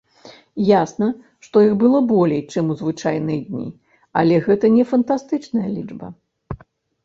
Ясна, што іх было болей, чым у звычайныя дні, але гэта не фантастычная лічба.